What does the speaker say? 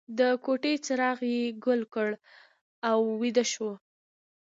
د کوټې څراغ یې ګل کړ او ویده شو